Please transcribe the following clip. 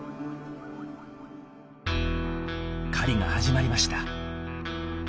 狩りが始まりました。